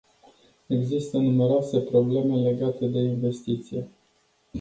Există numeroase probleme legate de investiție.